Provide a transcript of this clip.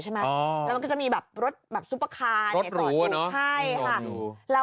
และมันก็จะมีรถซุปเปอร์คาร์รถหรูอ่ะค่ะ